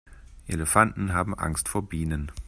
Elefanten haben Angst vor Bienen.